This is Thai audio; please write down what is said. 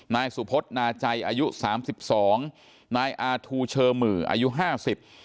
นายสุพฤทธิ์นาจัยอายุ๓๒ปีนายอาทูเชอมื่ออายุ๕๐ปี